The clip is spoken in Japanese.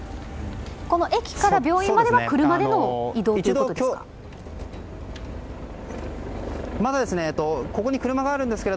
この駅から病院までは車での移動ということですか？